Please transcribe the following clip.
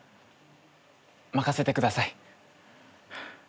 任せてください。